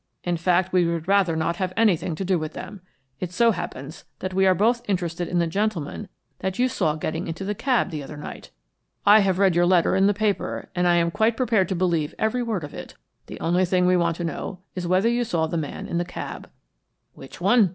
"In fact, we would rather not have anything to do with them. It so happens that we are both interested in the gentleman that you saw getting into the cab the other night. I have read your letter in the paper, and I am quite prepared to believe every word of it. The only thing we want to know is whether you saw the man in the cab " "Which one?"